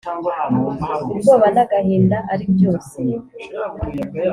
ubwoba n’agahinda aribyose